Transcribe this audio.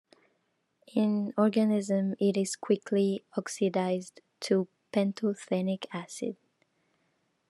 In organisms it is quickly oxidized to pantothenic acid.